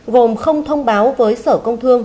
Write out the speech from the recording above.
gồm không thông báo với sở công thương